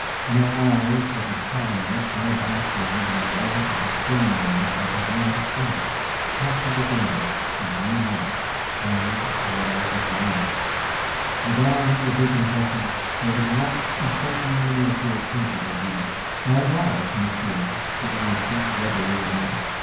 In her eyes was a calmness more baffling than the light I had seen there but a moment since. How to begin I knew not, and yet I was launched. "Madame la Vicomtesse, there was once a certain miniature painted of you." "By Boze, Monsieur," she answered, readily enough.